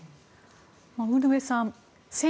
ウルヴェさん